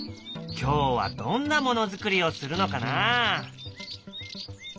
今日はどんなものづくりをするのかな？